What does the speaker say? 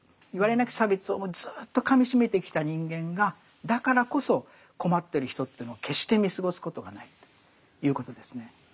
なき差別をずっとかみしめてきた人間がだからこそ困ってる人というのを決して見過ごすことがないということですね。